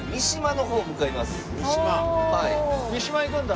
三島行くんだ？